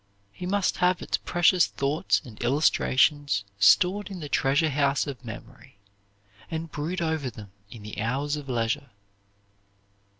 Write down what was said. He must have its precious thoughts and illustrations stored in the treasure house of memory, and brood over them in the hours of leisure.